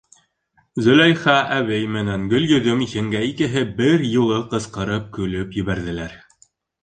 Зөләйха әбей менән Гөлйөҙөм еңгә икеһе бер юлы ҡысҡырып көлөп ебәрҙеләр.